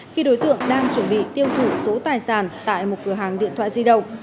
khi đối tượng đang chuẩn bị tiêu thụ số tài sản tại một cửa hàng điện thoại di động